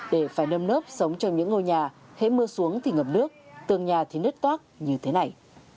để phải nâm nớp sống trong những ngôi nhà hãy mưa xuống thì ngập nước tường nhà thì nứt toác như thế này